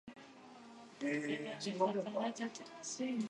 Firstly, I am a quick learner and have a strong work ethic.